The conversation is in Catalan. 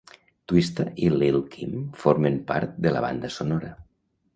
Twista i Lil' Kim formen part de la banda sonora.